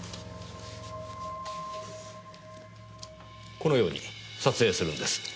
このように撮影するんです。